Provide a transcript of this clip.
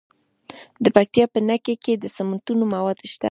د پکتیکا په نکې کې د سمنټو مواد شته.